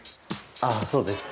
ああそうです。